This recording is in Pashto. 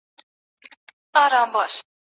ګاونډیان خپلوان در یاد کړه بس همدغه راز پریږدي دي.